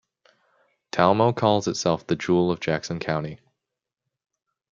Talmo calls itself The Jewel of Jackson County.